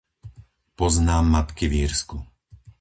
Poznám matky v Írsku.